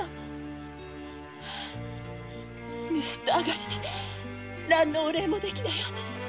盗っ人あがりで何のお礼もできないわたしに。